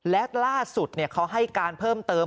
และล่าสุดเขาให้การเพิ่มเติม